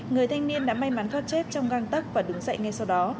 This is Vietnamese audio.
người thanh niên đã may mắn thoát chết trong găng tấc và đứng dậy ngay sau đó